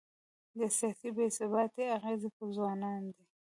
د سیاسي بې ثباتۍ اغېز پر ځوانانو دی.